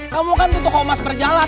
kamu kan tutup homas berjalan